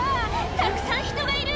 たくさん人がいる！